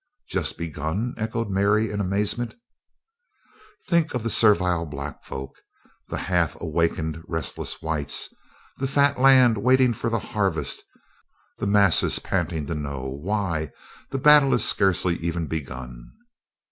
"Just begun?" echoed Mary in amazement. "Think of the servile black folk, the half awakened restless whites, the fat land waiting for the harvest, the masses panting to know why, the battle is scarcely even begun."